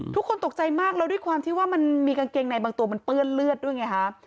ทุกคนตกใจมากแล้วด้วยความที่ว่ามันมีกางเกงในบางตัวมันเปื้อนเลือดด้วยไงฮะ